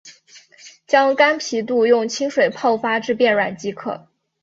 将干皮肚用清水泡发至变软即可。